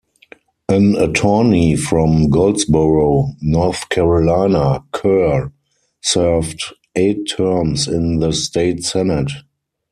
An attorney from Goldsboro, North Carolina, Kerr served eight terms in the state Senate.